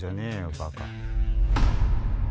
バカ。